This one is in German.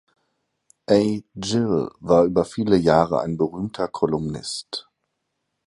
A. Gill war über viele Jahre ein berühmter Kolumnist.